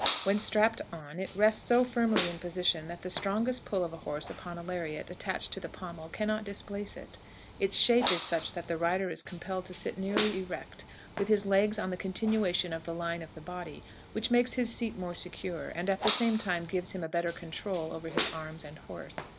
When strapped on, it rests so firmly in position that the strongest pull of a horse upon a lariat attached to the pommel can not displace it. Its shape is such that the rider is compelled to sit nearly erect, with his legs on the continuation of the line of the body, which makes his seat more secure, and, at the same time, gives him a better control over his arms and horse.